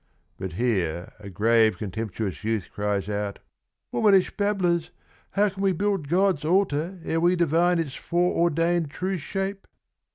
" But here a grave contemptuous youth cries out 57 "Womanish babblers, how can we build God's altar Ere we divine its foreordained true shape